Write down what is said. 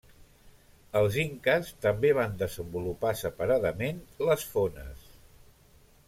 Els inques també van desenvolupar separadament les fones.